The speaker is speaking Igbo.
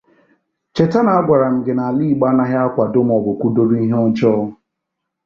Cheta na agwara m gị na ala Igbo anaghị akwàdo maọbụ kwụdoro ihe ọjọọ